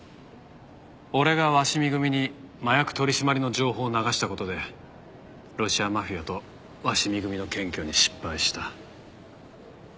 俺が鷲見組に麻薬取り締まりの情報を流した事でロシアマフィアと鷲見組の検挙に失敗した。